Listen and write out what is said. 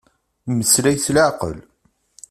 Meslay s leɛqel.